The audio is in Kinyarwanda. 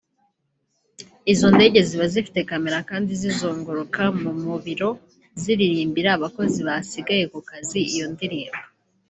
Izo ndege ziba zifite kamera kandi zizunguruka mu mu biro ziririmbira abakozi basigaye ku kazi iyo ndirimbo